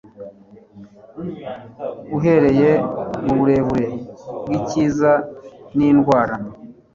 Uhereye mu burebure bwicyiza nindwara